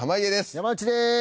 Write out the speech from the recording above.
山内でーす。